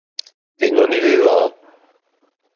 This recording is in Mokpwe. Hwènɔ̀ní hwé hwǎ.